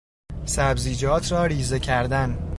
سبزیجات را ریزه کردن